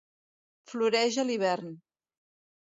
Floreix a l'hivern.